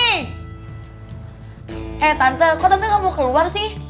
hei tante kok tante gak mau keluar sih